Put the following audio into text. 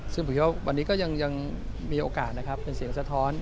ซึ่งผมคิดว่าวันนี้ก็ยังมีโอกาสนะครับเป็นเสียงสะท้อน